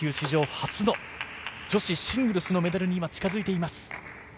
初の女子シングルスのメダルに近づいています。